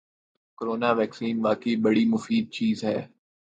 corona vaccine واقعی بڑی مفید چیز ہے